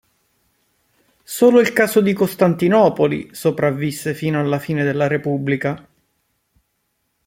Solo il caso di Costantinopoli sopravvisse fino alla fine della Repubblica.